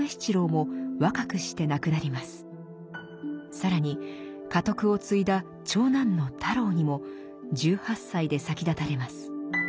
更に家督を継いだ長男の太郎にも１８歳で先立たれます。